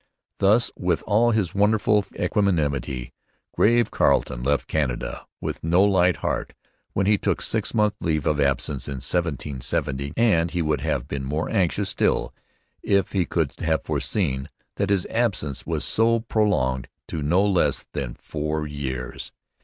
Thus with all his wonderful equanimity, 'grave Carleton' left Canada with no light heart when he took six months' leave of absence in 1770; and he would have been more anxious still if he could have foreseen that his absence was to be prolonged to no less than four years.